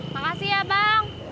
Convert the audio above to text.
makasih ya bang